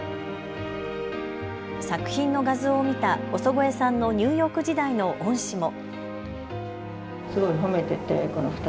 作品の画像を見た尾曽越さんのニューヨーク時代の恩師も。